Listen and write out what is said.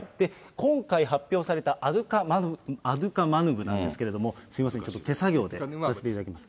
今回発表されたアデュカヌマブなんですけど、すみません、ちょっと手作業でさせていただきます。